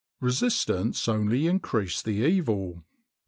[XXIX 88] Resistance only increased the evil.